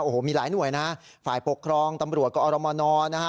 โอ้โหมีหลายหน่วยนะฝ่ายปกครองตำรวจกอรมนนะฮะ